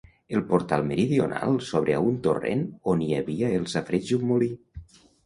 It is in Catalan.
El portal meridional s'obre a un torrent on hi havia el safareig i un molí.